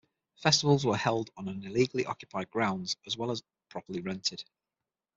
Festivals were held on an illegally occupied grounds as well as properly rented.